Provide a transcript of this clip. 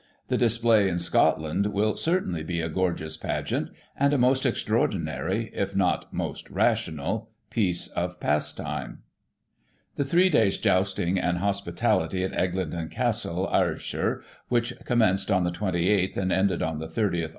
The display in Scot land will, certainly, be a gorgeous pageant, and a most extra ordinary, if not most rational, piece of pastime" The three days* jousting and hospitality at Eglinton Castle, Ayrshire, which commenced on the 28th, and ended on the 30th